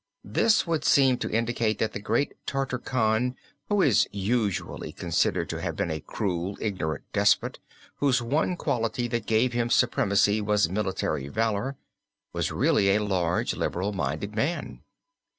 This would seem to indicate that the great Tartar Khan who is usually considered to have been a cruel, ignorant despot, whose one quality that gave him supremacy was military valor, was really a large, liberal minded man.